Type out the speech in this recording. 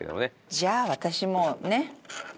じゃあ私もね。